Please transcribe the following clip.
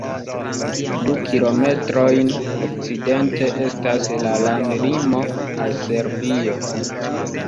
Du kilometrojn okcidente estas la landlimo al Serbio.